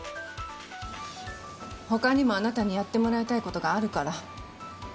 他にもあなたにやってもらいたいことがあるから。